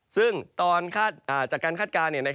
ซึ่งจากการคาดการณ์